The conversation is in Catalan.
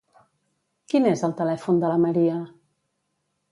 Quin és el telèfon de la Maria?